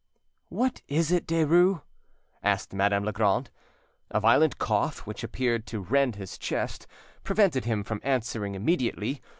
"What is it, Derues?" asked Madame Legrand. A violent cough, which appeared to rend his chest, prevented him from answering immediately.